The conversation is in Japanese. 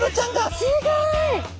すごい！